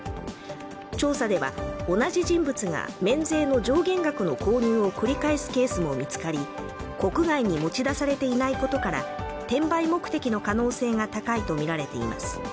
調査では同じ人物が免税の上限額の購入を繰り返すケースも見つかり国外に持ち出されていないことから、転売目的の可能性が高いとみられています。